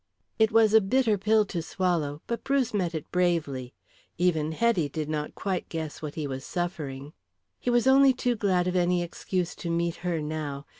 It was a bitter pill to swallow, but Bruce met it bravely. Even Hetty did not quite guess what he was suffering. He was only too glad of any excuse to meet her now.